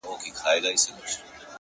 بریا له چمتووالي سره مینه لري،